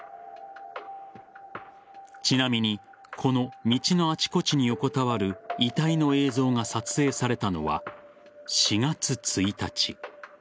ちなみに、この道のあちこちに横たわる遺体の映像が撮影されたのは４月１日。